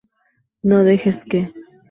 No dejes que...